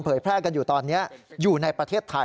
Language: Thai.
แพร่กันอยู่ตอนนี้อยู่ในประเทศไทย